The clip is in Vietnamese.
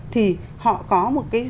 thì họ có một cái